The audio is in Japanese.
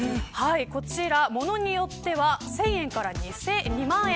こちら、物によっては１０００円から２万円。